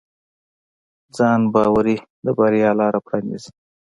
ځانباوري د بریا لاره پرانیزي.